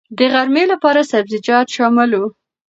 د غرمې لپاره سبزيجات شامل وو.